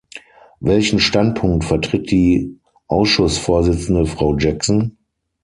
Welchen Standpunkt vertritt die Ausschussvorsitzende, Frau Jackson?